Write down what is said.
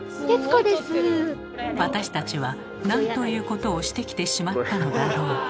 私たちは何ということをしてきてしまったのだろう。